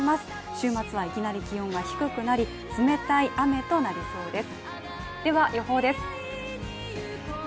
週末はいきなり気温が低くなり冷たい雨となりそうです。